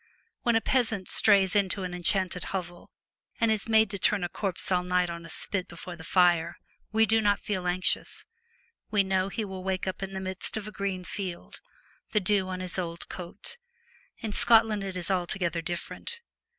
When a peasant strays into an enchanted hovel, and is made to turn a corpse all night on a spit before the fire, we do not feel anxious ; we know he will wake in the midst of a green field, the dew on his old coat. In Scotland it is altogether different.